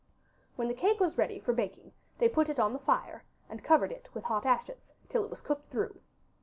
When the cake was ready for baking they put it on the fire, and covered it with hot ashes, till it was cooked through.